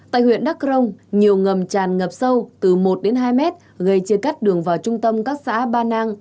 tại huyện đắk rông nhiều ngầm tràn ngập sâu từ một đến hai mét gây chia cắt đường vào trung tâm các xã ba nang